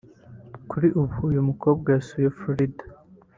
Kuri ubu uyu mukobwa yasubiye Florida